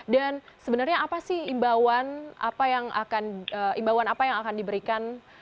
dan sebenarnya apa sih imbauan apa yang akan diberikan untuk masyarakat yang akan menerima